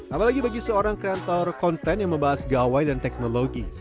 apalagi bagi seorang kreator konten yang membahas gawai dan teknologi